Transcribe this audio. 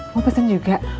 mau pesen juga